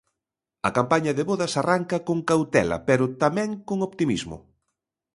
A campaña de vodas arranca con cautela, pero tamén con optimismo.